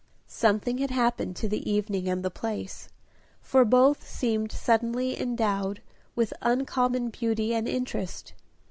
Something had happened to the evening and the place, for both seemed suddenly endowed with uncommon beauty and interest.